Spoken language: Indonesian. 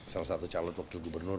salah satu calon wakil gubernur